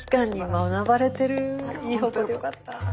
いい報告でよかった。